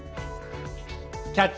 「キャッチ！